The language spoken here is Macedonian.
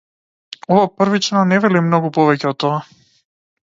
Ова првично не вели многу повеќе од тоа.